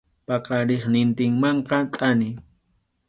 Paqariqnintinmanqa thani.